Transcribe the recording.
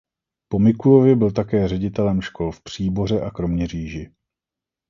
Po Mikulově byl také ředitelem škol v Příboře a Kroměříži.